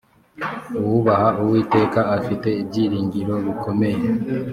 uwubaha uwiteka afite ibyiringiro bikomeye